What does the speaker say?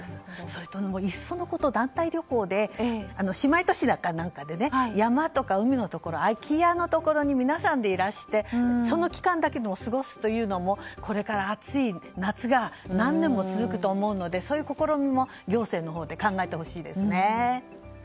それから、いっそのこと団体旅行で姉妹都市かなんかで山とか海の空き家のところで皆さんにいらしてその期間だけ過ごすのもこれから暑い夏が何年も続くと思うのでそういう試みも行政のほうで考えてほしいです。